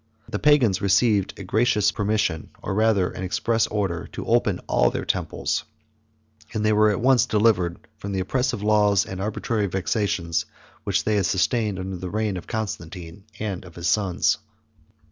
The pagans received a gracious permission, or rather an express order, to open All their temples; 34 and they were at once delivered from the oppressive laws, and arbitrary vexations, which they had sustained under the reign of Constantine, and of his sons.